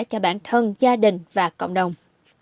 cho bản thân gia đình và cộng đồng